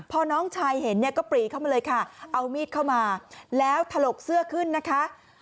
พอน้องชายเห็นเนี่ยก็ปรีเข้ามาเลยค่ะเอามีดเข้ามาแล้วถลกเสื้อขึ้นนะคะ